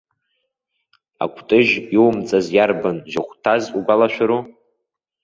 Акәтыжь иумҵаз иарбан жьыхәҭаз угәалашәару?